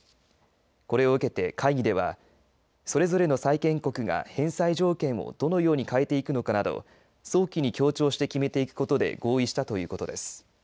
これを受けて会議ではそれぞれの債権国が返済条件をどのように変えていくのかなど早期に協調して決めていくことで合意したということです。